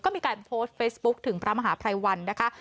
ก็มีการโพสต์เฟซบุ๊คถึงพระมหาภัยวันนะคะ